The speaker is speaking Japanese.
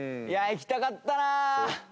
いきたかったな。